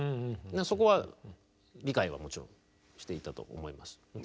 そこは理解はもちろんしていたと思います。